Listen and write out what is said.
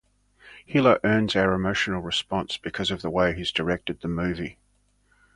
Hiller earns our emotional response because of the way he's directed the movie.